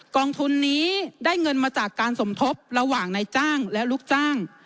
กองทุนนี้ได้เงินมาจากการสมทบระหว่างนายจ้างและลูกจ้าง